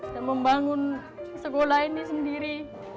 dan membangun sekolah ini sendiri